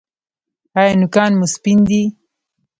ایا نوکان مو سپین دي؟